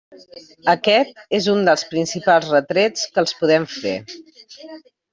Aquest és un dels principals retrets que els podem fer.